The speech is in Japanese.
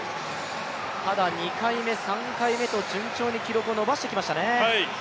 ただ、２回目、３回目と順調に記録を伸ばしてきましたね。